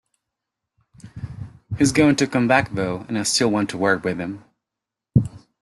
He's going to come back though and I still want to work with him.